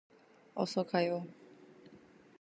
어서 가요.